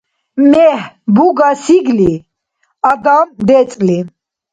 Мегь буга сигли, адам — децӀли.